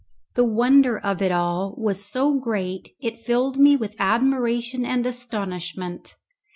The wonder of it all was so great it filled me with admiration and astonishment.